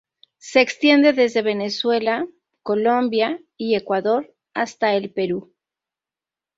Se extiende desde Venezuela, Colombia, y Ecuador, hasta el Perú.